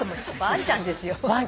ワンちゃんですよ。